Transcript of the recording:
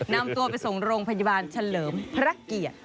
นำตัวไปส่งโรงพยาบาลเฉลิมพระเกียรติ